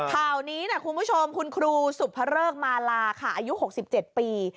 ข่าวนี้นะคุณผู้ชมคุณครูสุภเริกมาลาค่ะอายุ๖๗ปี